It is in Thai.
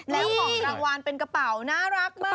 แล้วของรางวัลเป็นกระเป๋าน่ารักมาก